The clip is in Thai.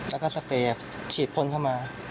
แล้วก็สเปลผลชีดเข้ามา